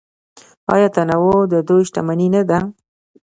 آیا تنوع د دوی شتمني نه ده؟